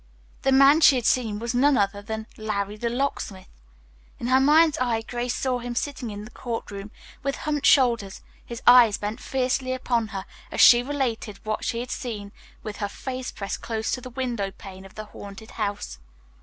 The man she had seen was none other than "Larry, the Locksmith." In her mind's eye Grace saw him sitting in the court room with humped shoulders, his eyes bent fiercely upon her, as she related what she had seen with her face pressed close to the window pane of the haunted house.